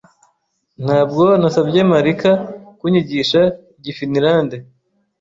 Ntabwo nasabye Marika kunyigisha igifinilande.